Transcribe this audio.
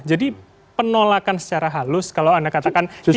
jadi penolakan secara halus kalau anda katakan tidak progresif